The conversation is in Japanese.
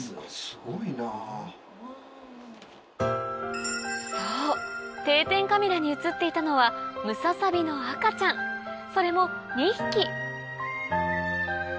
・すごいなぁ・そう定点カメラに写っていたのはムササビの赤ちゃんそれも２匹